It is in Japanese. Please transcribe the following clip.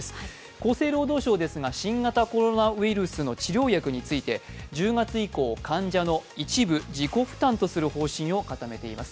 厚生労働省ですが新型コロナウイルスの治療薬について１０月以降、患者の一部自己負担とする方針を固めています。